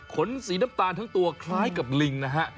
ขนสีน้ำตาลทั้งตัวคล้ายกับลิงนะฮะ